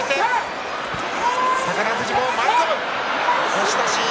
押し出し。